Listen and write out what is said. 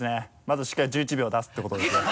まずしっかり１１秒出すってことですね。